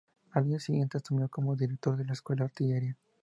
Al año siguiente asumió como director de la Escuela de Artillería.